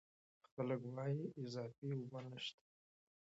خلک وايي اضافي اوبه نشته.